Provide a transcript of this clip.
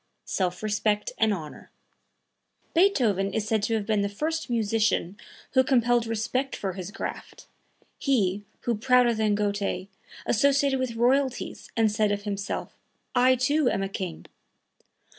SELF RESPECT AND HONOR Beethoven is said to have been the first musician who compelled respect for his craft, he who, prouder than Goethe, associated with royalties, and said of himself, "I, too, am a king!"